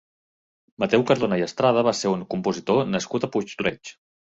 Mateu Cardona i Estrada va ser un compositor nascut a Puig-reig.